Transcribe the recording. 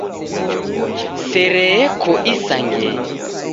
Sere eko isangenyi.